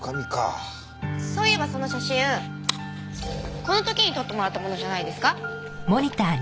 そういえばその写真この時に撮ってもらったものじゃないですか？